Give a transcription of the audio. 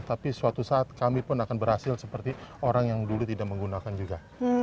tapi suatu saat kami pun akan berhasil seperti orang yang dulu tidak menggunakan juga